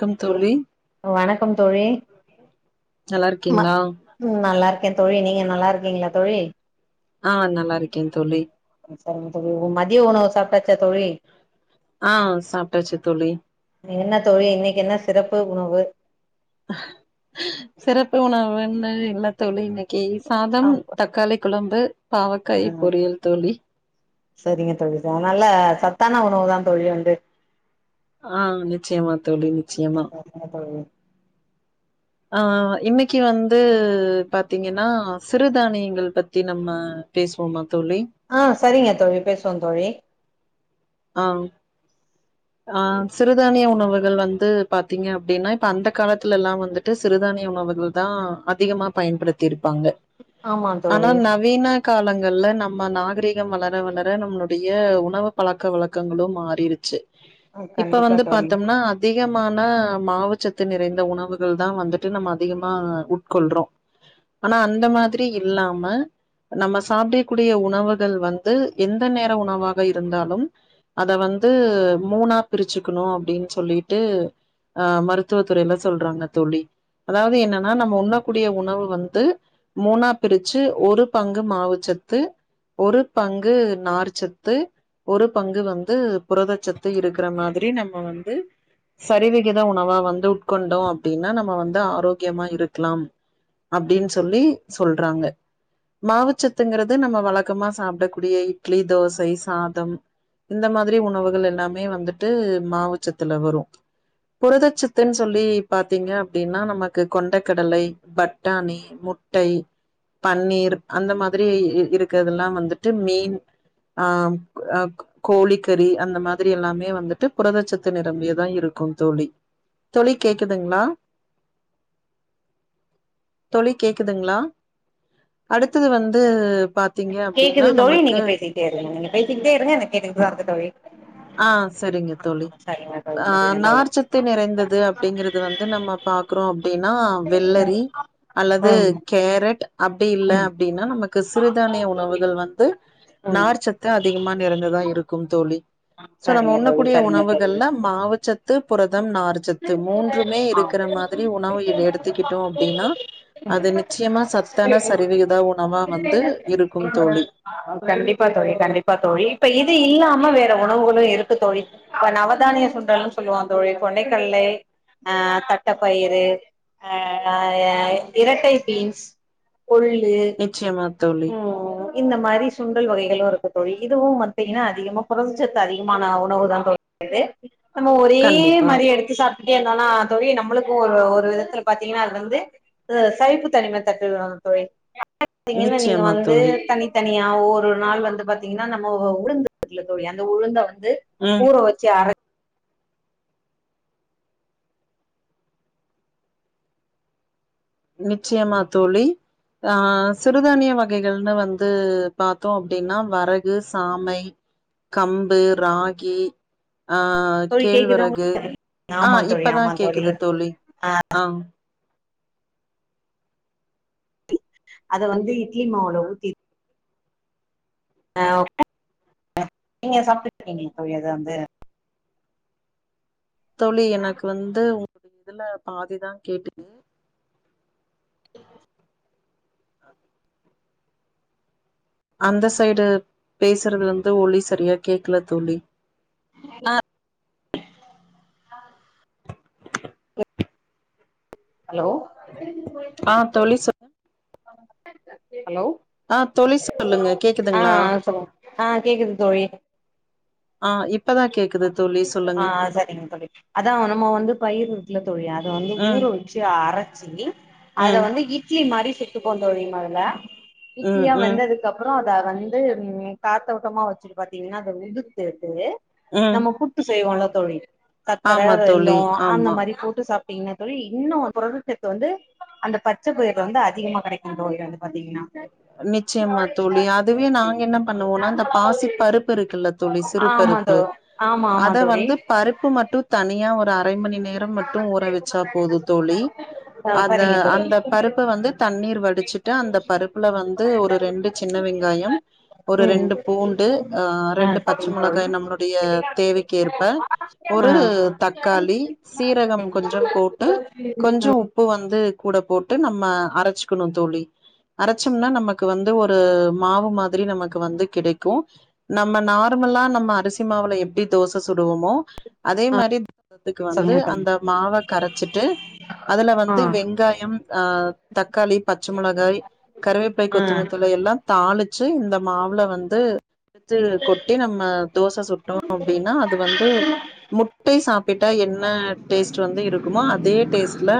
Come தோழி வணக்கம் தோழி நல்லா ம இருக்கீங்களா ம் நல்லா இருக்கேன் தோழி நீங்க நல்லா இருக்கீங்ளா தோழி ஆ நல்லா இருக்கேன் தோழி சரிங்க தோழி மதிய உணவு சாப்ட்டாச்சா தோழி ஆ சாப்ட்டாச்சு தோழி நீங்க என்ன தோழி இன்னைக்கு என்ன சிறப்பு உணவு சிறப்பு உணவுன்னு இல்ல தோழி இன்னைக்கு ஆ சாதம், தக்காளி கொழம்பு, பாவக்காய் பொரியல் தோழி சரிங்க தோழி அதனால சத்தான உணவுதான் தோழி வந்து ஆ நிச்சயமா தோழி நிச்சயமா ஏன் தோழி ஆ இன்னைக்கு வந்து பாத்தீங்கன்னா சிறுதானியங்கள் ப த்தி நம்ம பேசுவோமா தோழி ஆ சரிங்க தோழி பேசுவோந் தோழி ஆ ஆ சிறுதானிய உணவுகள் வந்து பாத்தீங்க அப்டின்னா இப்ப அந்த காலத்துல எல்லா வந்து ட்டு சிறுதானிய உணவுகள்தா அதிகமா பயன்படுத்தி இருப்பாங்க ஆமா ஆனா தோழி ந வீ காலங்கள்ல நம்ம நாகரீகம் வளர வளர நம்மளுடைய உணவு பழ க்க வழக்கங்களு மாறிருச்சு இப்ப கண்டிப்பா வந்து தோழி பாத்தம்னா அதிகமான மாவுச்சத்து நிறைந்த உணவுகள்தா வந்துட்டு நம்ம அதிகமா உட்கொள்றோ ஆனா அந்த மாதிரி இல்லாம நம்ம சாப்பிட கூடிய உணவுகள் வந்து எந்த நேர உணவாக இருந்தாலு அத வந்து மூணா பிரிச்சுக்கணு அப்டின் சொல்லிட்டு அ மருத்துவத்துறையில சொல்றாங்க தோழி அதாவது என்னனா நம்ம உண்ண கூடிய உணவு வந்து மூனா பிரிச்சு ஒரு பங்கு மாவுச்சத்து ஒரு பங்கு நார்ச்சத்து ஒரு பங்கு வந்து புரதச்சத்து இருக்கற மாதிரி நம்ம வந்து சரிவிகித உணவா வந்து உட்கொண்டோ அப்டின்னா நம்ம வந்து ஆரோக்கியமா இருக்கலாம் அப்டின் சொல்லி சொல்றாங்க மாவுச்சத்துங்கறது நம்ம வழக்கமா சாப்ட கூடிய இட்லி, தோசை, சாதம் இந்த மாதிரி உணவுகள் எல்லாமே மாவுச்சத்துல வரு புரதச்சத்துன்னு சொல்லி பாத்தீங்க அப்டின்னா நமக்கு கொண்டை கடலை, பட்டாணி முட்டை, பன்னீர் அந்த மாதிரி இருக்கறதல்லா வந்துட்டு மீன் ஆ அக் கோழிக்கறி அந்த மாதிரி எல்லாமே வந்துட்டு புரதச்சத்து நிரம்பியதா இருக்குந் தோழி தோழி கேக்குதுங்ளா தோழி கேக்குதுங்ளா அடுத்தது வந்து பாத்தீங்க அப்டின்னா நமக்கு ஃப்ரீயா இருங்க நீங்க பேசிக்கிட்டே இருங்க நா கேட்டுகிட்டுதா இருப்ப தோழி ஆ சரிங்க தோழி ஆ சரிங்க தோழி அ சரிங்க தோழி நார்சத்து நிறைந்தது அப்டிங்கறது வந்து நம்ம பாக்குறோ அப்டின்னா வெள்ளரி அல்லது ம் கேரட் அப்டி இல்ல ம் அப்டின்னா நமக்கு சிறுதானிய உணவுகள் வந்து ம் நார் சத்து அதிகமா நிறைந்த தா இருக்கும் தோழி சோ நம்ம சரிங்க உண்ணக் தோழி கூடிய சரிங்க தோழி உணவுகள்ள மாவுச்சத் து புரதம் நார் சத்து மூன்றுமே இருக்கற மாதிரி உணவு எடு எடுத்துக்கிட்டோ அப்டின்னா அது நிச்சயமா சத்தான சரிவிகிதா உணவா வந்து இருக்கும் தோழி கண்டிப்பா தோழி கண்டிப்பா தோழி இப்ப இது இல்லாம வேற உணவுகளு இருக்கு தோழி இப்ப நவதானிய சுண்டல்ன்னு சொல்லுவா தோழி கொண்டைக்கல்லை ஆ தட்டப்பயிறு அ இரட்டை பீன்ஸ் கொள்ளு நிச்சயமா தோழி ம் இந்த மாரி சுண்டல் வகைகளு இருக்கு தோழி இதுவு பாத்தீங்கனா அதிகமா புரதச்சத்து அதிகமான உணவு தா தோழி து நம்ம ஒரே கண்டிப்பா மாரி எடுத் கு சாப்ட்டுட்டே இருந்தோனா தோழி நம்மளுக்கு ஒரு ஒரு விதத்துல பாத்தீங்கனா அது வந்து இது சகிப்பு தனிம தட்டுது தோழி த்தீங்கன நீங்க நிச்சயமா வந்து தோழி தனி தனியா ஒரு நாள் வந்து பாத்தீங்கனா நம்ம ஒ உளுந்துல இருக்குல்ல தோழி அந்த உளுந்த வந்து ம் ஊற வச்சி அர நிச்சயமா தோழி ஆ சிறுதானிய வகைகள்னு வந்து பாத்தோ அப்டின்னா வரகு சாமை கம்பு ராகி ஆ தோழி கேக்குதா கேழ்வரகு உங்களுக் ஆ ஆமா தோழி இப்பதா ஆமா கேக்குது தோழி ஆ அத வந்து இட்லி மாவுல ஊத்தி ஆ நீங்க சாப்ட்ருக்கீங்ளா தோழி அத வந்து தோழி எனக்கு வந்து உங்களுடைய இதுல பாதிதா கேட்டுது ஆ அந்த சைடு பேசறதுல வந்து ஒளி சரியா கேக்ல தோழி நா ஹலோ ஆ தோழி சொ ஹலோ ஆ தோழி சொல்லுங்க ஆ கேக்குதுங்களா ஆ சொல்லுங்க ஆ கேக்குது தோழி ஆ இப்பதா கேக்குது தோழி ஆ சொல்லுங்க சரிங்க தோழி அதா நம்ம வந்து பயிர் கில்ல தோழி அத வந்து ஊர ம் வச்சி சி அரச்சி அத ம் வந்து இட்லி மாரி சுட்டு கொண்டு வருவீங்ளா அதுல ம் இட்லியா ம் வெந்ததுக் கப்புறோ அத வந்து ம் காத்தோட்டமா வெச்சிரு பாத்தீங்கனா அத உதுர்த்துட்டு ம் நம்ம கூட்டு செய்வோல்ல தோழி சக்கர ஆமா தோழி வெள்ளோ அந்த ஆமா மாரி கூட்டு சாப் திங்னா தோழி இன்னு புரதச்சத்து வந்து அந்த பச்சை பயிர்ல வந்து அதிகமா கெடைக்கு தோழி வந்து பாத்தீங்கன்னா நிச்சயமா தோழி அதுவே நாங்க என்ன பண்ணோ நா இந்த பாசி பருப்பு இருக்குல்ல தோழி ஆமா தோ சிறுபருப்பு ஆமா ஆமா அத தோழி வந்து பருப்பு மட்டு தனியா ஒரு ஒரு அரை மணி நேரம் மட்டு ஊற வச்சா போது தோழி ஆ அத சரிங்க தோழி அந்த பருப்ப வந்து தண்ணீர் வடிச்சிட்டு அந்த உள்ள வந்து ஒரு ரெண்டு சின்ன வெங்காயம் ஒரு ரெண்டு பூண்டு ம் ஆ ரெண்டு பச்ச சரிங்க தோழி மொளகாய் நம்மளுடைய தேவைக்கு ஏற்ப ஒரு ஆ தக்காளி சீரகம் ம் கொஞ்சம் போட்டு கொஞ்ச உப்பு வந்து கூட போட்டு நம்ம அரச்சிக்கனு தோழி அரச்சம்னா நமக்கு வந்து ஒரு மாவு மாதிரி நமக்கு வந்து கிடைக்கு நம்ம நார்மலா நம்ம அரிசி மாவுல எப்டி தோச சுடுவோமோ அதே மாரி த்துக்கு வந்து சொல்லுங்க தோழி அந்த மாவை கரைச்சிட்டு அதுல ஆ வந்து வெங்காயம் ஆ தக்காளி பச்ச மிளகாய் வேப்பை ஆ கொத்து மல்லி தழை எல்லா தாளிச்சு இந்த மாவுல வந்து ச்சு கொட்டி நம்ம தோச சுட்டோ அப்டின்னா அது வந்து முட்டை சாப்பிட்டா என்ன டேஸ்ட் வந்து இருக்குமோ அதே டேஸ்ட்ல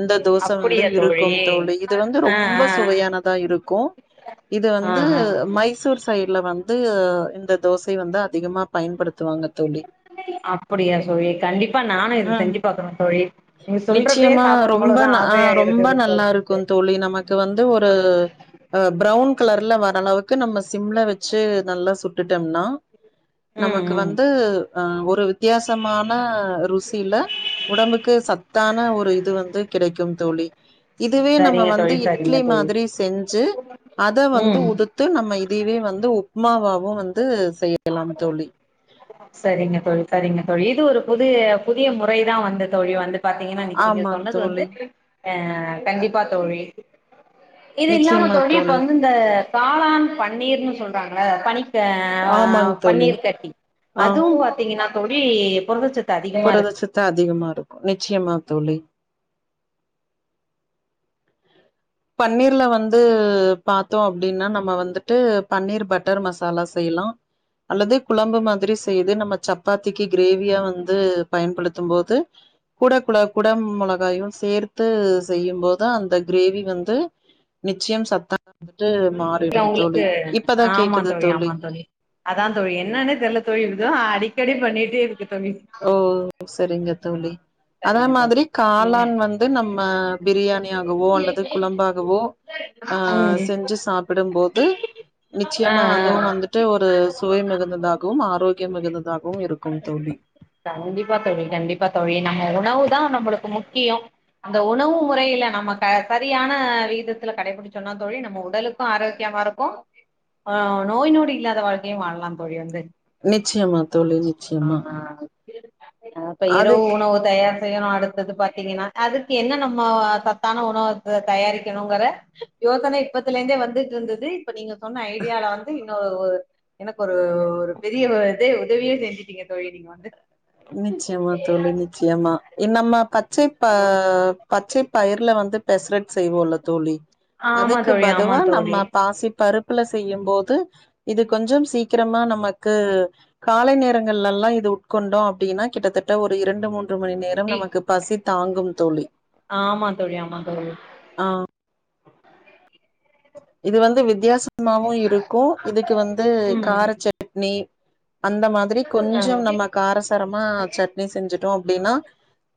இந்த தோச வந்து இருக்கும் தோழி இது வந்து ஆ ரொம்ப ஆ சுவையானதா இருக்கு இது ஆ வந்து ஆ ஆ. மைசூர் சைடுல வந்து இந்த தோசை வந்து அதிகமா பயன்படுத்துவாங்க தோழி அப்படியா சோழி கண்டிப்பா நானு இத செஞ்சு பாக்குறே தோழி நீங்க சொல்ற நிச்சியமா ரொம்ப ஆ ரொம்ப நல்லா தோழி இருக்கு வந்து தோழி நமக் கு வந்து ஒரு அ ப்ரவுன் கலர்ல வர அளவுக்கு நம்ம சிம்ல வச்சு நல்லா சு டுட்டம்னா ம் நமக்கு ம் வந்து அ ஒரு வித்தியாசமான ருசில உடம்புக்கு சத்தான ஒரு இது வந்து கிடைக்கும் தோழி இதுவே நம்ம சரிங்க வந்து தோழி சரிங்க இட்லி தோழி மாதிரி செஞ்சு அத வந்து ம் உது த்து நம்ம இதயவே வந்து உப்மாவாவு வந்து செய்யலாம் தோழி சரிங்க தோழி சரிங்க தோழி இது ஒரு புது புதிய முறைதா வந்து தோழி வந்து பாத்தீங்கன்னா இன்னைக்கி நீங்க ஆமா சொன்னது தோழி. வந்து ஆ கண்டிப்பா தோழி இது இல்லாம தோழி இப்ப வந்து இந்த காளான் பன்னீர்ன்னு சொல்றாங்கள பனிக்க அ ஆமாங் தோழி. பன்னீரு கட்டி ஆ. அதுவு பாத்தீங்கின்னா தோழி புரதச்சத் புரதச்சத்து அதிகமா இருக்கு நிச்சயமா தோழி பன்னீர்ல வந்து பாத்தோ அப்பிடின்னா நம்ம வந்துட்டு பன்னீர் பட்டர் மசாலா செய்லா அல்லது குழம்பு மாதிரி செய்து நம்ம சப்பாத்திக்கு கிரேவியா வந்து பயன்படுத்தும் போது கூட குல குட மொளகாயு சேர்த்து செய்யும் போது தா அந்த கிரேவி வந் து நிச்சயம் சத்த வந்துட்டு மாறிடும் தோழி உங்களுக்கு இப்பதா கேக்குது தோழி அதா தோழி என்னான்னே தெர்ல தோழி இதோ அடிக்கடி பண்ணிட்டே இதுக்கு தோழி ஓ சரிங்க ஆ தோழி அதா சரிங்க தோழி மாதிரி நீங்க காளான் வந்து நம்ம பிரியாணியாகவோ அல்லது குழம்பாகவோ ஆ ம் செஞ்சி சாப்பிடும்போது ஆ நிச்சயமா அதுவு வந்துட்டு ஒரு ஆ சுவை மிகுந்ததாகவும் ஆரோக்கிய மிகுந்ததாகவு இருக்கு தோழி கண்டிப்பா தோழி கண்டிப்பா தோழி நம்ம உணவு தா நம்மளுக்கு முக்கியோ அந்த உணவு முறையில நம்ம க சரியான விகிதத்துல கடைபிடிச்சோன்னா தோழி நம்ம உடலுக் க்கு ஆரோக்கியமா இருக்கு ஆ நோய் நோடி இல்லாத வாழ்க்கையு வாழலா தோழி வந்து நிச்சயமா தோழி நிச்சயமா அப்ப இரவு அதுக் உணவு தயார் செய்யணு அடுத்தது பாத்தீங்கின்னா அதுக்கு என்ன நம்மோ சத்தான உணவுத்த தயாரிக்கணுங்குற யோசனை இப்பத்துல இருந்தே வந்துட்டு இருந்தது இப்ப நீங்க சொன்ன ஐடியால வந்து ஒ எனக்கு ஒரு ஒரு பெரிய இதே உதவியே செஞ்சிட்டீங்க தோழி நீங்க வந்து நிச்சயமா தோழி நிச்சயமா என்னம்மா பச்சை ப பச்சை பயர்ல வந்து பெசரைட் செய்வோல்ல தோழி ஆமா அதுக்கு தோழி ஆமா பதுவா நம்ம தோழி பாசி பருப்புல செய்யும் போது இது கொஞ்சம் சீக்கிரமா நமக்கு காலை நேரங்கள்ல எல்லா இது உட்கொண்டோ அப்டின்னா கிட்டத்தட்ட ஒரு இரண்டு மூன்று மணி நேர டம் நமக்கு பசி தாங்கும் தோழி ஆமா தோழி ஆமா தோழி ஆ இது வந்து வித்தியாசமாவு இருக்கு இதுக்கு வந்து ம் காரச்சட் அட்னி அந்த மா திரி திருப்பி கொஞ்சொ நம்ம காரசரமா சட்னி செஞ்சுட்டோ அப்பிடின்னா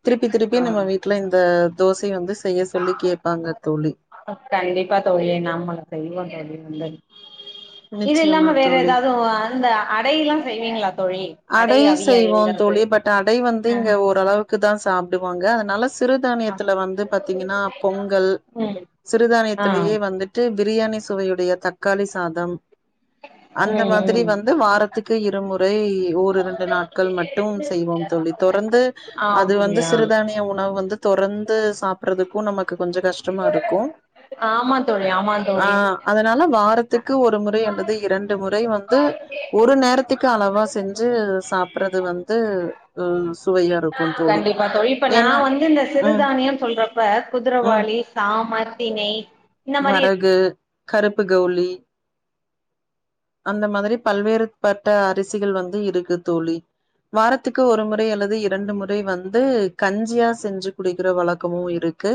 திருப்பி ஆ திருப்பி நம்ம வீ வீட்ல இந்த தோசைய வந்து செய்ய சொல்லி கேப்பாங்க தோழி கண்டிப்பா தோழி நம்முளு செய்வோ தோழி வந்து இது நிச்சயமா இல்லாம வேற தோழி எதாவ்து அ அந்த அடை எல்லா செய்வீங்களா தோழி அடை அடையு செய்வோ அவியல்ங்கிறது தோழி பட் அடை வந்து ஆ இங்க ஓரளவுக்கு தா சாப்புடுவாங்க அதனால செ ஆ சிறுதானியத்துல வந்து பாத்தீங்கின்னா பொங்கல் ம் ஆ சிறுதானியத்திலேயே ம் வந்து ட்டு பிரியாணி சுவையுடைய தக்காளி சாதம் அந்த மாதிரி ம் வந்து வார த்துக்கு இருமுறை ஓர் இரண்டு நாட்கள் மட்டு செய்வோம் தோழி தொடர்ந்து ஆ அது வந்து அப்டியா சிறுதானிய உணவு வந்து தொடர்ந்து சாப்பட்றதுக்கு நமக்கு கொஞ்சொ கஷ்டமா இருக்கு ஆமா தோழி ஆமா அ தோழி அதுனால வாரத்துக்கு ஒரு முறை அல்லது இரண்டு முறை வந்து ஒரு நேரத்துக்கு அளவா செ ஞ்சு சாப்பற்றது வந்து அ சுவையா இருக்கு தோழி கண்டிப்பா தோழி நா ஏன்னா வந்து இந்த ம் சிறுதானியம் சொல்றப்ப ம் குதுரவாளி சாம தினை வரகு கருப்பு கவுளி அந்த மாதிரி பல்வேறு பட்ட அரிசிகள் வந்து இருக்கு தோழி வாரத்துக்கு ஒரு முறை அல்லது இரண்டு முறை வந்து கஞ்சியா செஞ்சு குடிக்கிற வழக்கமு இருக் இருக்கு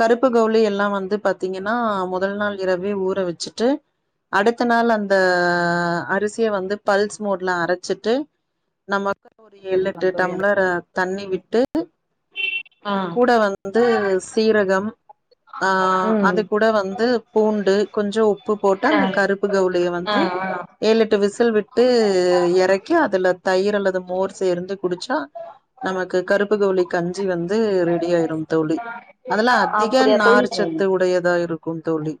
கருப்பு கவ்ளி எல்லா வந்து பாத்தீங்கின்னா மொதல் நாள் இரவே ஊற வெச்சிட்டு அடுத்த நாள் அந் த அரிசிய வந்து பல்ஸ் மோட்ல அரச்சிட்டு நம்ம ஒரு எழ் எட்டு தோழி டம்ளர் தண்ணி விட்டு ஆ கூட வ வந்து சீரகம் ஆ ம் அது கூட வந்து பூண்டு கொஞ்சோ உப்பு போட்டு ஆ அந்த கருப்பு கவ்லிய வந்து ஆ ஆ ஏழ் எட்டு விசில் விட்டு எறக்கி அதுல தயிர் அல்லது மோர் சேர்ந்து குடுஞ்சா நமக்கு கருப்புக்கவ்ளி கஞ்சி வந்து ரெடி ஆய்ரும் தோழி அதெல்லா அதிக அப்படியா தோழி நார்ச்சத்து உடையதா இருக்கு தோழி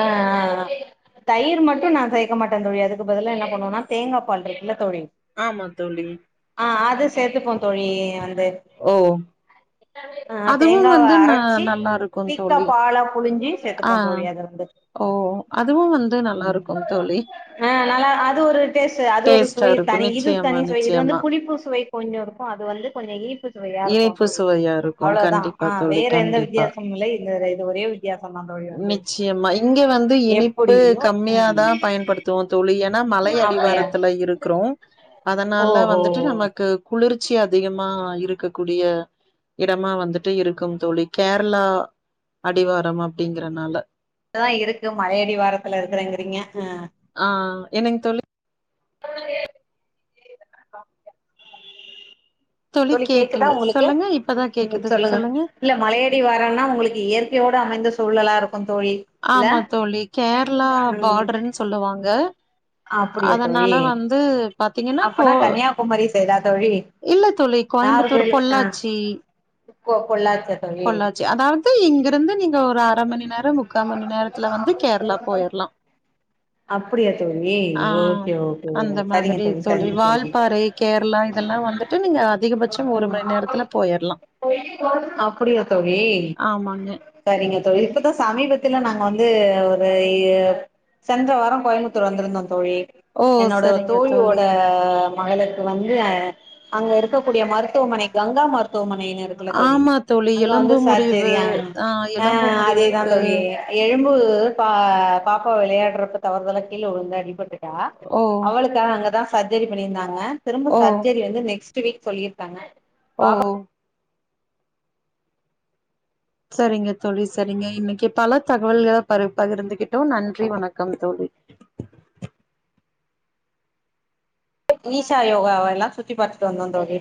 ஆ ஆ தயிர் மட்டு நா சேக்க மாட்டே தோழி அதுக்கு பதிலா என்ன பண்ணுவன்னா தேங்கா பால் இருக்குல்ல தோழி ஆமா தோழி ஆ அது சேத்துப்போம் தோழி வந்து ஆ அதுவும் தேங்காவ வந்து ந அரச்சி நல்லா திக்கா இருக்குந்தோழி பாலா புழிஞ்சி ஆ சேத்துப்போ தோழி அத வந்து ஓ அதுவு வந்து நல்லா ம் இருக்குந்தோழி ஆ நல்லா அது ஒரு டேஸ்ட் அது ஒரு சுவை இருக்கு தனி இது நிச்சயமா தனி சுவை இது வந்து நிச்சயமா புளிப்பு சுவை கொஞ்சோ இருக்கு அது கொஞ்சோ இனிப்பு சுவையா இருக்கு இனிப்பு தோழி சுவையா இருக்கு அவ்ளோதா கண்டிப்பா ஆ தோழி வேற எந்த கண்டிப்பா வித்தியாசமு இல்ல இது ஒரே வித்தியாசோ தா தோழி வந்து ஞ்சி மா இங்க வந்து இனிப்பு எப்படியோ கம்மியா ம் தா பயன்படுத்துவோ தோழி எனா மலை அப்டியா அடிவாரத்துல இரு க்குறோ அதனால ஓஹோ வந்துட்டு நமக்கு குளிர்ச்சி அதிகமா இருக்கக்கூடிய இடமா வந்துட்டு இருக்கும் தோழி கேரளா அடிவாரம் அப்பிடிங்கறனால ர இருக்கு மலையடிவாரத்துல இருக்கறங்கிறீங்க ஆ ஆ என்னங் தோழி தோழி கேக்குதா கேக்கல உங்களுக்கு சொல்லுங்க இப்பதா ம் ம் கேக்குது சொல்லுங்க இல்ல மலையடிவாரோன்னா உங்களுக்கு இயற்கையோட அமைந்த சூழலா இருக்கு தோழி இல்ல ஆமா தோழி கேரளா பார்டர்ன்னு சொல்லுவாங்க அப்பிடியா அதனால தோழி வந்து பாத்தீங்கன்னா கோ அப்பனா கன்னியாகுமரி சைடா தோழி இல்ல தோழி கோயம்புத்தூர் நாகர்கோவில் ஆ பொள்ளாச்சி பொ பொள்ளாச்சியா தோழி பொள்ளா ச்சி அதாவ்து இங்கிருந்து நீங்க ஒரு அர மணி நேரோ மு க்கா மணி நேரத்துல வந்து கேரளா போயரலா அப்டியா தோழி ஆ ஓகே ஓகே அந்த சரிங்க மாதிரி தோழி சரிங்க வால்பாறை கேரளா இதல்லா வந்துட்டு நீங்க அதிகபட்சோ ஒரு மணி நேரத்துல போயரலா அப்பிடியா தோழி ஆமாங்க சரிங்க தோழி இப்பதா சமீபத்துல நாங்க வந்து ஒரு ஏ சென்ற வாரோ கோயமுத்தூர் வந்திருந்தோ தோழி ஓ என்னோட சரிங்க தோழியோட தோழி மகளுக்கு வந்து அங்க இருக்கக்கூடிய மருத்துவமனை கங்கா மருத்துவமனைன்னு இரு க்கல்ல தோழி ஆமா தோழி அங்க வந்து எலும்பு முறிவு சர்ஜரி ஆனா ஆ எலும்பு அதேதா முறிவுக்கு தோழி எலும்பு பா பாப்பா விளையாடுறப்ப தவறுதலா கீழ விழுந்து அடிபட்டு ட்டா ஓ அவளுக்கு ஆனா அங்கதா சர்ஜரி பண்ணிருந்தாங்க திரும்ப ஓ சர்ஜரி வந்து நெக்ஸ் ட் வீக் சொல்லியிருக்காங்க பாப்பா ஓஹோ சரிங்க தோழி சரிங்க இன்னைக்கி பல தகவல்கள பரு பகிர்ந்துக்கிட்டோ நன்றி வணக்கம் தோழி ஈஷா யோகாவல்லா சுத்தி பாத்துட்டு வந்தோ தோழி